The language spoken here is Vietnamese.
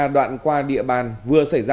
đoạn qua địa bàn vừa xảy ra